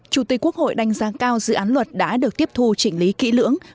chủ tịch quốc hội đánh giá cao dự án luật đã được tiếp thu chỉnh lý kỹ lưỡng